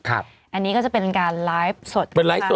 อันนี้ก็จะเป็นการไลฟ์สด